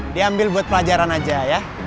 diambil buat pelajaran aja ya